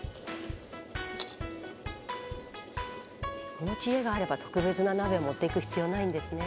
この知恵があれば特別な鍋を持っていく必要ないんですね。